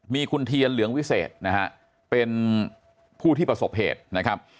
มีคุณเทียนเหลืองวิเศษนะฮะเป็นผู้ที่ประสบเหตุนะครับ